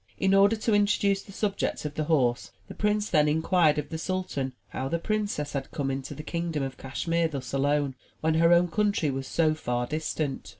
In order to introduce the subject of the horse, the prince then in quired of the sultan how the princess had come into the kingdom of Cashmere thus alone, when her own country was so far distant.